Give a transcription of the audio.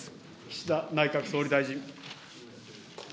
岸田内閣総理大臣。